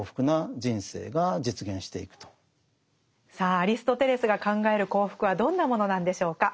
さあアリストテレスが考える幸福はどんなものなんでしょうか？